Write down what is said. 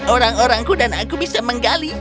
orang orangku dan aku bisa menggali